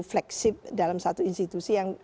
flagship dalam satu institusi yang